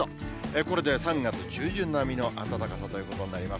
これで３月中旬並みの暖かさということになります。